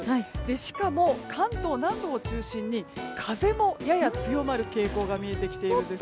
しかも関東南部を中心に風もやや強まる傾向も見えています。